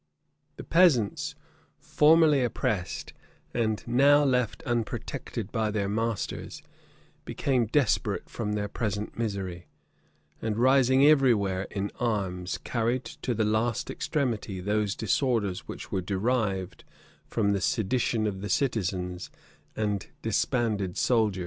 The peasants, formerly oppressed, and now left unprotected by their masters, became desperate from their present misery; and rising every where in arms, carried to the last extremity those disorders which were derived from the sedition of the citizens and disbanded soldiers.